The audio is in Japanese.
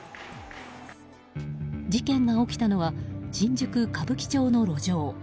事件が起きたのは新宿・歌舞伎町の路上。